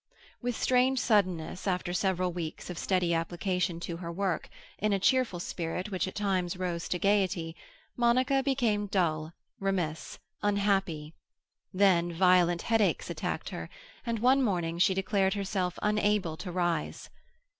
With strange suddenness, after several weeks of steady application to her work, in a cheerful spirit which at times rose to gaiety, Monica became dull, remiss, unhappy; then violent headaches attacked her, and one morning she declared herself unable to rise.